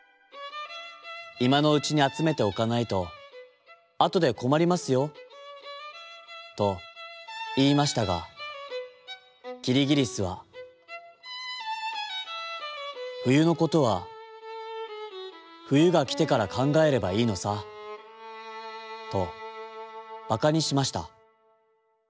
いまのうちにあつめておかないとあとでこまりますよ」といいましたがキリギリスは「ふゆのことはふゆがきてからかんがえればいいのさ」とばかにしました。